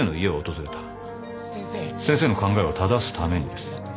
先生の考えをただすためにです。